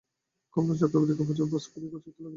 কমলা চক্রবর্তীর কাপড়চোপড় ভাঁজ করিয়া গুছাইতে লাগিল।